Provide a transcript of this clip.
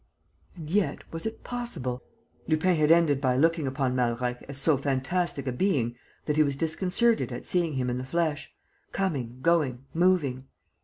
..." And, yet, was it possible? Lupin had ended by looking upon Malreich as so fantastic a being that he was disconcerted at seeing him in the flesh, coming, going, moving.